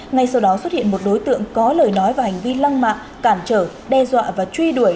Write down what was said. ngay sau đó xuất hiện một đối tượng có lời nói và hành vi lăng mạng cản trở đe dọa và truy đuổi